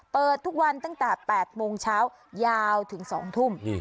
เปิดทุกวันตั้งแต่๘โมงเช้ายาวถึง๒ทุ่ม